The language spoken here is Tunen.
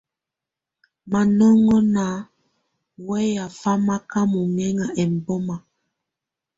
Manɔŋɔ lá ná wɛya famaka mɔŋɛŋa ɛmbɔma.